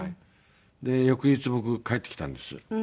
で翌日僕帰ってきたんです。